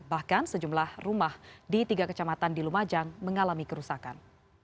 bahkan sejumlah rumah di tiga kecamatan di lumajang mengalami kerusakan